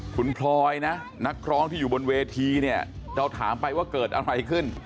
คุณพลอยนะนักร้องที่อยู่บนเวทีเนี่ยเราถามไปว่าเกิดอะไรขึ้น